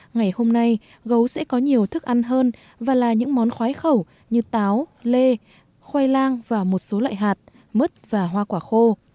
ngày hôm nay gấu sẽ có nhiều thức ăn hơn và là những món khoái khẩu như táo lê khoai lang và một số loại hạt mứt và hoa quả khô